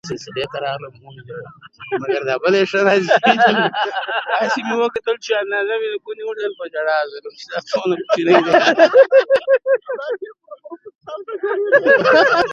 له خټو جوړه